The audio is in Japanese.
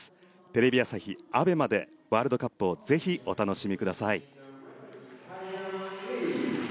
テレビ朝日、ＡＢＥＭＡでワールドカップをぜひお楽しみください。